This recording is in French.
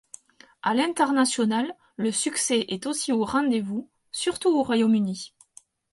À l'international, le succès est aussi au rendez-vous, surtout au Royaume-Uni.